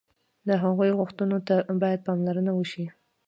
د هغوی غوښتنو ته باید پاملرنه وشي.